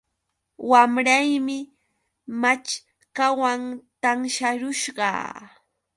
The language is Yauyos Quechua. Wamraymi maćhkawan tansharusqa